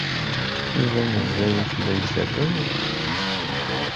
Yuba mazal-it la izerrew?